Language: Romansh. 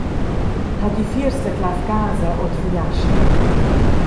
Hagi fiers la clav casa ord finiastra.